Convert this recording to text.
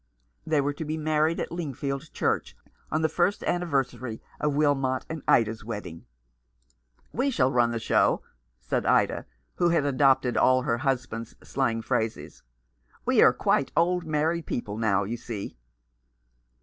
They were to be married at Lingfield Church on the first anniversary of Wilmot and Ida's wedding. "We shall run the show," said Ida, who had adopted all her husband's slang phrases. " We are quite old married people now, you see."